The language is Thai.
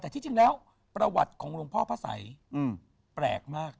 แต่ที่จริงแล้วประวัติของหลวงพ่อพระสัยแปลกมาก